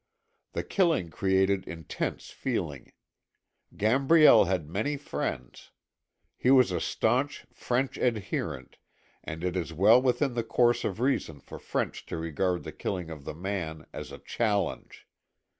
The killing created intense feeling. Gambriel had many friends. He was a staunch French adherent and it was well within the course of reason for French to regard the killing of the man as a challenge.